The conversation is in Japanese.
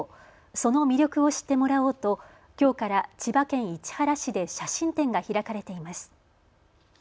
その魅力を知ってもらおうときょうから千葉県市原市で写真展が開かれています。